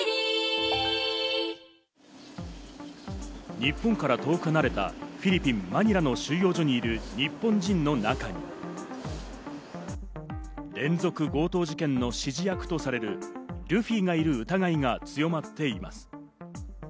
日本から遠く離れたフィリピン・マニラにいる収容所の中に連続強盗事件の指示役とされるルフィがいる疑いが強まっています。